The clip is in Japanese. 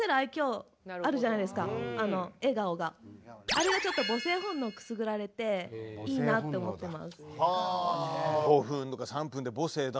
あれがちょっと母性本能くすぐられていいなと思ってます。